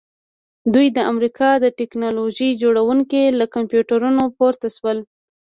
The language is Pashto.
دوی د امریکا د ټیکنالوژۍ جوړونکي له کمپیوټرونو پورته شول